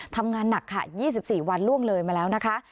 ทำงานหนักค่ะ๒๔วันล่วงเลยมาแล้วนะคะ